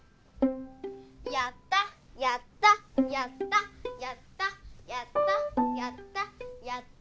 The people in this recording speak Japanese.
やったやったやったやったやったやったやった。